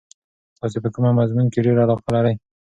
تاسې په کوم مضمون کې ډېره علاقه لرئ؟